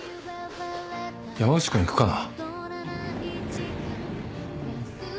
山内君行くかな？